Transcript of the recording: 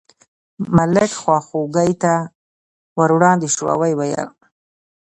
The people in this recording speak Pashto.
ملک خواخوږۍ ته ور وړاندې شو او یې وویل.